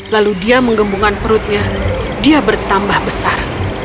lalu dia menggembungan perutnya dia bertambah besar